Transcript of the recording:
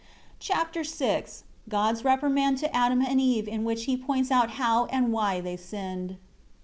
Chapter VI God's reprimand to Adam and Eve in which he points out how and why they sinned.